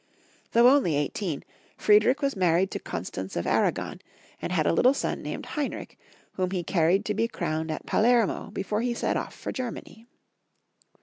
Though only eighteen, Friedrich was married to Constance of Aragon, and had a little son named Heinrich, whom he carried to be crowned at Palermo before he set off for Germany.